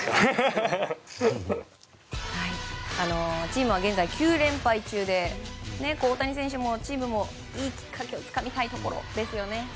チームは現在９連敗中で大谷選手もチームいいきっかけをつかみたいところですよね。